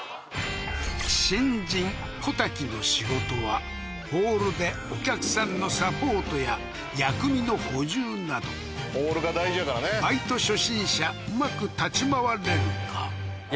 新人小瀧の仕事はホールでお客さんのサポートや薬味の補充などバイト初心者うまく立ち回れるか？